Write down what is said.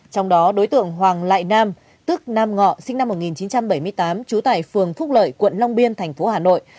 trong đó đối tượng hoàng lại nam tức nam ngọ sinh năm một nghìn chín trăm bảy mươi tám trú tại phường phúc lợi quận long biên thành phố hà nội